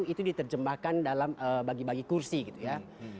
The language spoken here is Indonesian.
itu diterjemahkan dalam bagi bagi kursi gitu ya